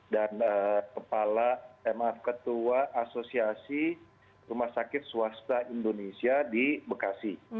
dan ketua asosiasi rumah sakit swasta indonesia di bekasi